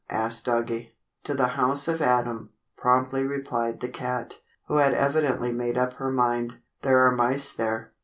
asked Doggie. "To the house of Adam," promptly replied the cat, who had evidently made up her mind. "There are mice there.